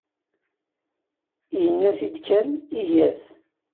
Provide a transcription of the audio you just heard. Yenna-t-id kan, iga-t.